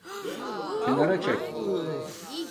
Kenara çek!